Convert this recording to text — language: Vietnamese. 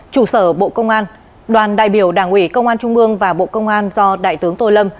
trụ sở bộ công an đoàn đại biểu đảng ủy công an trung mương và bộ công an do đại tướng tô lâm